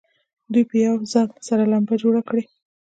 دوی به په یوه ځل سره لمبه جوړه کړي.